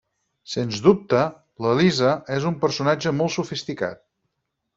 Sens dubte, la Lisa és un personatge molt sofisticat.